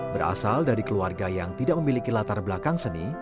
berasal dari keluarga yang tidak memiliki latar belakang seni